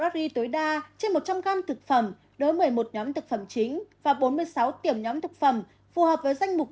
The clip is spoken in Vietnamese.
phát huy tối đa trên một trăm linh gram thực phẩm đối với một mươi một nhóm thực phẩm chính và bốn mươi sáu tiểu nhóm thực phẩm phù hợp với danh mục